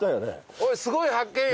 おいすごい発見や！